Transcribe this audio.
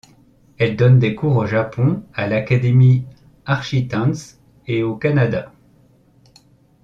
Elle donne des cours au Japon à l'académie Architanz et au Canada.